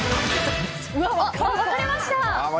分かれました。